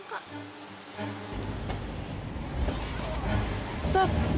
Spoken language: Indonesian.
bukannya dari tadi